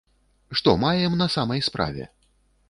Што маем на самай справе?